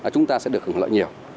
chúng ta sẽ được hưởng lợi nhiều